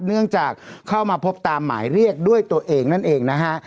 เนื่องจากเข้ามาพบตามหมายเรียกด้วยตัวเองนั่นเองนะฮะ